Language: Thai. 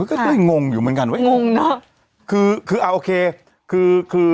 ก็เลยงงอยู่เหมือนกันว่างงเนอะคือคือเอาโอเคคือคือ